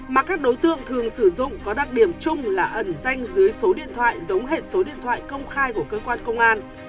mà các đối tượng thường sử dụng có đặc điểm chung là ẩn danh dưới số điện thoại giống hệ số điện thoại công khai của cơ quan công an